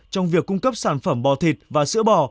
trong việc cung cấp sản phẩm bò thịt và sữa bò